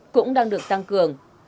cũng đang được tăng cường